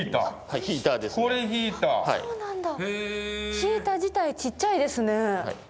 ヒーター自体ちっちゃいですね。